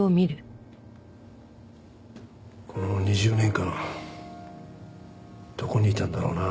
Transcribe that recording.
この２０年間どこにいたんだろうな。